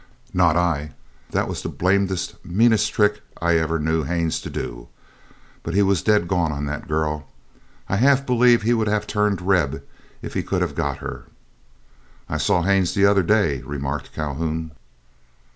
"Not I. That was the blamedest, meanest trick I ever knew Haines to do. But he was dead gone on the girl. I half believe he would have turned Reb if he could have got her." "I saw Haines the other day," remarked Calhoun.